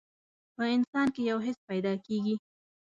په انسان کې يو حس پيدا کېږي.